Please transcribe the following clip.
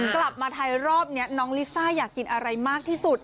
กลับมาไทยรอบนี้น้องลิซ่าอยากกินอะไรมากที่สุด